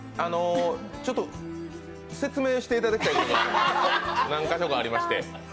ちょっと説明していただきたい部分が何カ所かありまして。